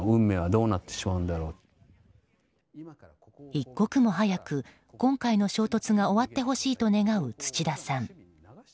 一刻も早く今回の衝突が終わってほしいと願う土田さん。